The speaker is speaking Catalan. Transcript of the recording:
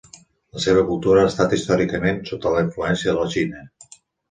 La seva cultura ha estat històricament sota la influència de la Xina.